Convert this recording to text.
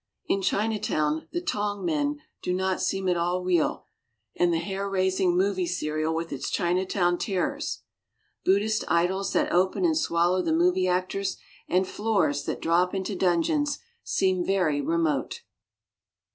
In Chinatown the tong men do not seem at all real and the hair raising movie serial with its Chinatown terrors, Buddhist idols that open and swallow the movie actors and floors that drop into dungeons, seem very remote.